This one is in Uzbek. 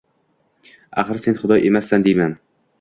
Axir sen Xudo emassan!” deyman!